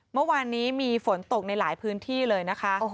เมื่อวานนี้มีฝนตกในหลายพื้นที่เลยนะคะ